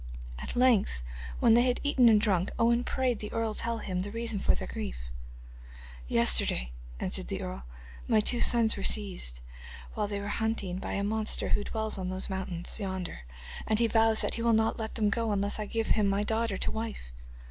At length, when they had eaten and drunk, Owen prayed the earl to tell him the reason of their grief. 'Yesterday,' answered the earl, 'my two sons were seized, while thy were hunting, by a monster who dwells on those mountains yonder, and he vows that he will not let them go unless I give him my daughter to wife.